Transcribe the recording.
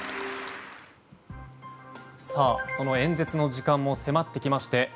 その演説の時間も迫ってきまして